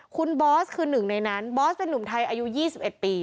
คุณบอสคือหนึ่งในนั้นบอสเป็นนุ่มไทยอายุ๒๑ปี